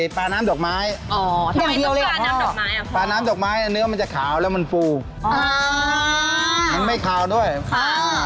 ถ้าเขาร่วมมาแบบเฮ้ยบ้าวอะ